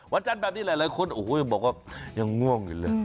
จันทร์แบบนี้หลายคนโอ้โหบอกว่ายังง่วงอยู่เลย